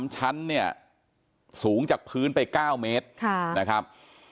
๓ชั้นเนี่ยสูงจากพื้นไป๙เมตรนะครับ